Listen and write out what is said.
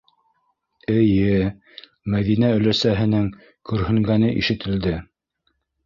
Эйе, - Мәҙинә өләсәһенең көрһөнгәне ишетелде.